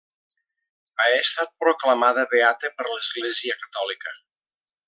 Ha estat proclamada beata per l'Església catòlica.